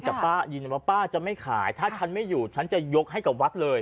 แต่ป้ายินว่าป้าจะไม่ขายถ้าฉันไม่อยู่ฉันจะยกให้กับวัดเลย